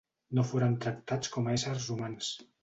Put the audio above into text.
No foren tractats com a éssers humans.